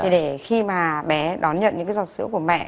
để khi mà bé đón nhận những cái giọt sữa của mẹ